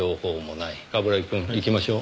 冠城くん行きましょう。